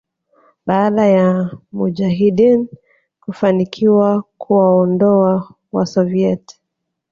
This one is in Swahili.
baada ya Mujahideen kufanikiwa kuwaondoa Wasoviet